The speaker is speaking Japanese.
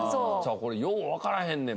これようわからへんねん。